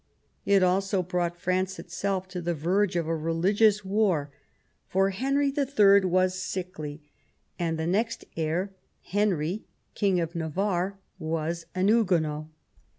It also brought France itself to the verge of a religious war; for Henry III. was sickly, and the next heir, Henry, King of Navarre, was a Huguenot.